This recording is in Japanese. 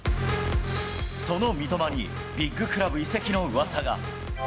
その三笘にビッグクラブ移籍のうわさが。